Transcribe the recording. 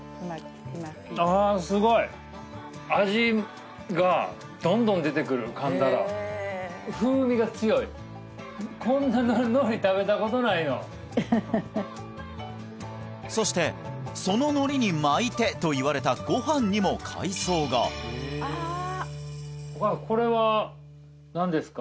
ああすごいこんなのり食べたことないよそしてそののりに巻いてといわれたご飯にも海藻がお母さんこれは何ですか？